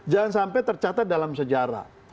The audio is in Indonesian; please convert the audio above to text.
jangan sampai tercatat dalam sejarah